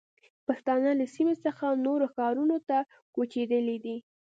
پښتانه له سیمې څخه نورو ښارونو ته کوچېدلي دي.